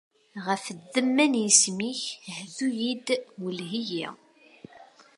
Ɣef ddemma n yisem-ik, hdu-yi-d, welleh-iyi.